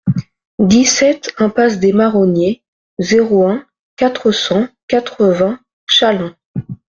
dix-sept impasse des Marronniers, zéro un, quatre cent quatre-vingts Chaleins